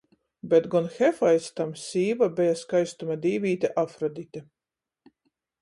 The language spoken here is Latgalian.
Bet gon Hefaistam sīva beja skaistuma dīvīte Afrodite.